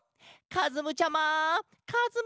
かずむちゃま！